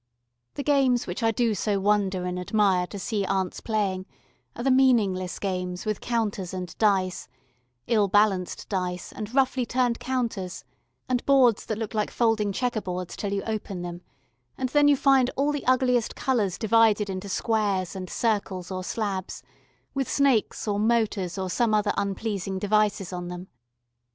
The games which I do so 'wonder and admire' to see aunts playing are the meaningless games with counters and dice: ill balanced dice and roughly turned counters and boards that look like folding chequer boards till you open them, and then you find all the ugliest colours divided into squares and circles or slabs, with snakes or motors or some other unpleasing devices on them.